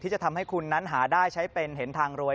จะทำให้คุณนั้นหาได้ใช้เป็นเห็นทางรวย